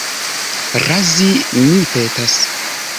Razi, mi petas.